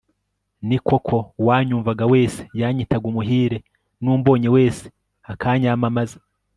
ni koko, uwanyumvaga wese yanyitaga umuhire, n'umbonye wese akanyamamaza